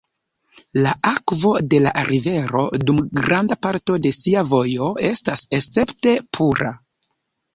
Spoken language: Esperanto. La akvo de la rivero dum granda parto de sia vojo estas escepte pura.